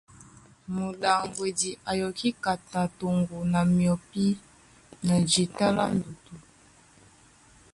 Mudaŋgwedi a yɔkí kata toŋgo na myɔpí na jíta lá ndutu.